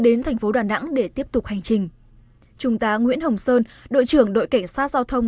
đến thành phố đà nẵng để tiếp tục hành trình trung tá nguyễn hồng sơn đội trưởng đội cảnh sát giao thông